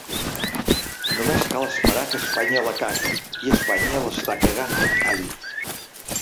Només cal esperar que Espanya la cagui, i Espanya l’està cagant, ha dit.